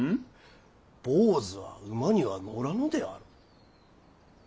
坊主は馬には乗らぬであろう。